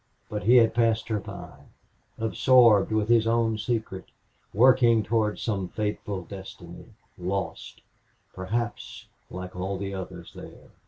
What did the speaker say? But he had passed her by, absorbed with his own secret, working toward some fateful destiny, lost, perhaps, like all the others there.